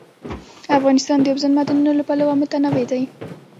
افغانستان د اوبزین معدنونه له پلوه متنوع دی.